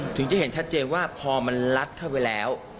ถึงจะเห็นชัดเจนว่าพอมันลัดเข้าไปแล้ว